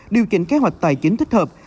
điều chỉnh kế hoạch tài chính thích hợp